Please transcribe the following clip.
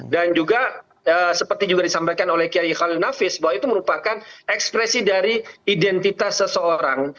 dan juga seperti juga disampaikan oleh qiyai khalil nafis bahwa itu merupakan ekspresi dari identitas seseorang